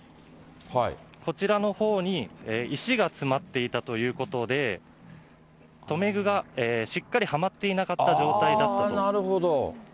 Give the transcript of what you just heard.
こちらのほうに石が詰まっていたということで、留め具がしっかりはまっていなかった状態だったと。